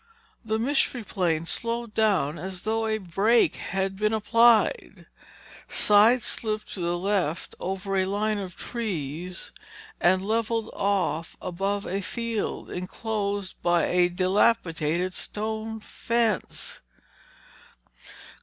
The Mystery Plane slowed down as though a brake had been applied, sideslipped to the left over a line of trees and leveled off above a field enclosed by a dilapidated stone fence.